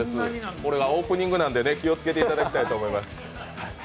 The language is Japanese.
これはオープニングなんでね、気をつけていただきたいと思います。